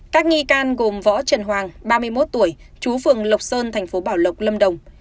các nghi can gồm võ trần hoàng ba mươi một tuổi chú phường lộc sơn thành phố bảo lộc lâm đồng